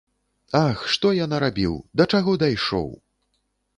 Ах, што я нарабіў, да чаго дайшоў!